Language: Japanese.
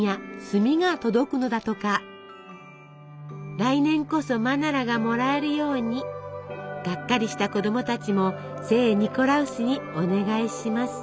「来年こそマナラがもらえるように」。がっかりした子どもたちも聖ニコラウスにお願いします。